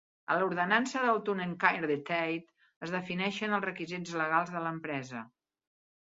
A l'ordenança del túnel Cairn de Tate es defineixen els requisits legals de l'empresa.